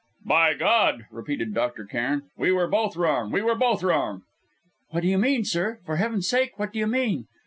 "By God!" repeated Dr. Cairn, "we were both wrong, we were both wrong!" "What do you mean, sir? for Heaven's sake, what do you mean?"